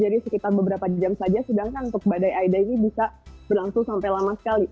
jadi sekitar beberapa jam saja sedangkan untuk badai aida ini bisa berlangsung sampai lama sekali